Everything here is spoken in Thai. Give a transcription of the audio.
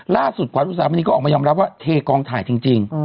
ขวานอุตสามณีก็ออกมายอมรับว่าเทกองถ่ายจริง